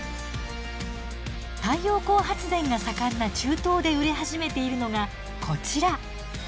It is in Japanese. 太陽光発電が盛んな中東で売れ始めているのがこちら。